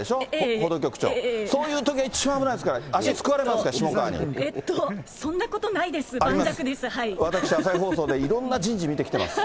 報道局長、そういうときが一番危ないですから、足、すくわれますから、下川えっと、そんなことないです、私、朝日放送でいろんな人事見てきてます。